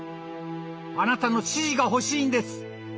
あなたの指示が欲しいんです！